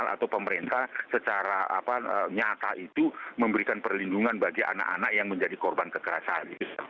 atau pemerintah secara nyata itu memberikan perlindungan bagi anak anak yang menjadi korban kekerasan